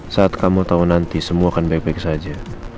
saat kamu tahu nanti semua akan baik baik saja